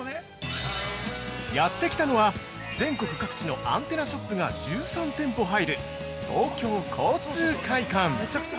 ◆やってきたのは全国各地のアンテナショップが１３店舗入る「東京交通会館」。